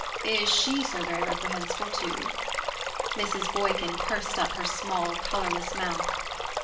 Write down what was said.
"Is she so very reprehensible too?" Mrs. Boykin pursed up her small colourless mouth.